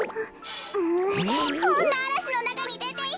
ううこんなあらしのなかにでていって！